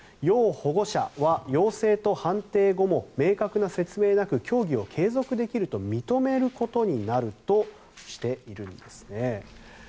要保護者は陽性と判定後も明確な説明なく競技を継続できると認めることになるとしているんですね。